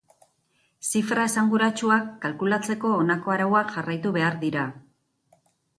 Zifra esanguratsuak kalkulatzeko honako arauak jarraitu behar dira.